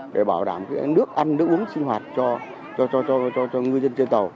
để bảo đảm nước ăn nước uống sinh hoạt cho ngư dân trên tàu